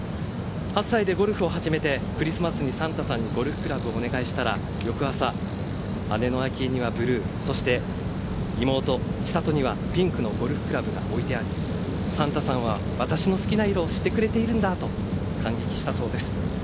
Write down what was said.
８歳でゴルフを始めてクリスマスにサンタさんにゴルフクラブをお願いしたら翌朝、姉の明愛にはブルーそして妹、千怜にはピンクのゴルフクラブが置いてありサンタさんは私の好きな色を知ってくれているんだと感激したそうです。